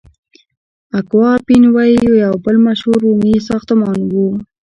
اکوا اپین وی یو بل مشهور رومي ساختمان و.